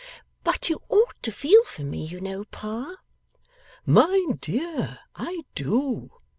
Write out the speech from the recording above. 'But you ought to feel for me, you know, pa.' 'My dear, I do.